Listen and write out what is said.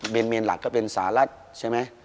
เมียนหลักก็เป็นสหรัฐใช่ไหม